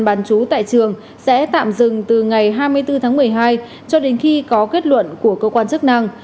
bán chú tại trường sẽ tạm dừng từ ngày hai mươi bốn tháng một mươi hai cho đến khi có kết luận của cơ quan chức năng